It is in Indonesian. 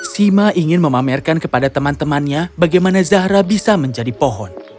sima ingin memamerkan kepada teman temannya bagaimana zahra bisa menjadi pohon